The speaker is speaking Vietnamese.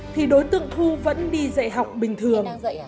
thì đối tượng thu vẫn đi dạy học bình thường